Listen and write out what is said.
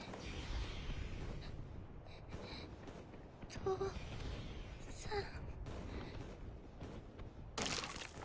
父さん。